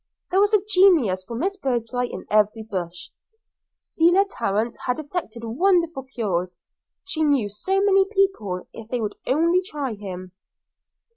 There was a genius for Miss Birdseye in every bush. Selah Tarrant had effected wonderful cures; she knew so many people if they would only try him.